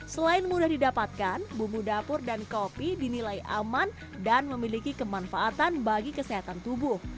selain mudah didapatkan bumbu dapur dan kopi dinilai aman dan memiliki kemanfaatan bagi kesehatan tubuh